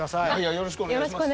よろしくお願いします。